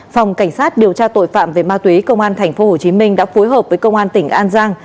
phòng cảnh sát điều tra tội phạm về ma túy công an tp hcm đã phối hợp với công an tỉnh an giang